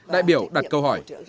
đại biểu đặt câu hỏi